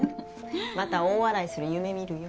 また大笑いする夢見るよ。